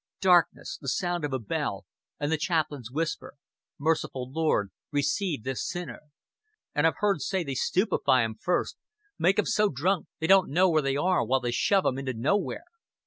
Darkness, the sound of a bell, and the chaplain's whisper, 'Merciful Lord, receive this sinner.' And I've heard say they stupefy 'em first, make 'em so drunk they don't know where they are while they shove 'em into nowhere....